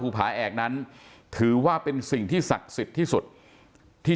ผาแอกนั้นถือว่าเป็นสิ่งที่ศักดิ์สิทธิ์ที่สุดที่